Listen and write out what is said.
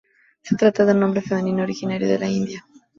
Se trata de un nombre femenino originario de la India.